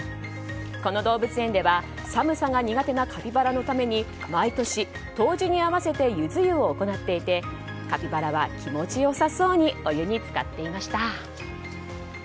この動物園では寒さが苦手なカピバラのために毎年、冬至に合わせてゆず湯を行っていてカピバラは気持ちよさそうにお湯に浸かっていました。